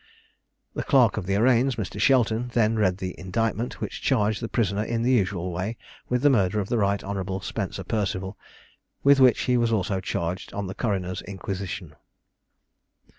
The clerk of the arraigns, Mr. Shelton, then read the indictment, which charged the prisoner in the usual way with the murder of the Right Hon. Spencer Perceval, with which he was also charged on the coroner's inquisition.